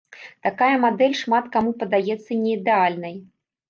Такая мадэль шмат каму падаецца не ідэальнай.